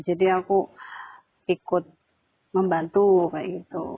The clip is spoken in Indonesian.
jadi aku ikut membantu kayak gitu